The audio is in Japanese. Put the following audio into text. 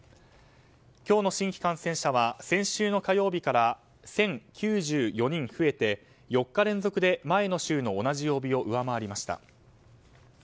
今日の新規感染者は先週の火曜日から１０９４人増えて４日連続で前の週の同じ曜日を上回りました。